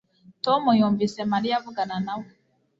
Tom yumvise Mariya avugana nawe